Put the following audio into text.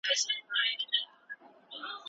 د مېلمه ځای ختلی نه وي.